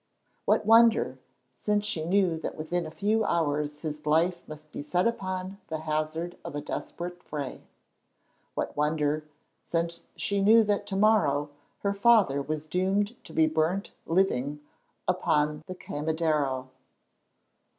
What wonder, since she knew that within a few hours his life must be set upon the hazard of a desperate fray. What wonder, since she knew that to morrow her father was doomed to be burnt living upon the Quemadero.